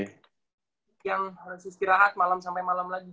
yang harus istirahat malam sampai malam lagi